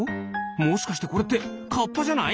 もしかしてこれってカッパじゃない？